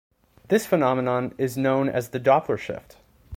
This phenomenon is known as the Doppler shift.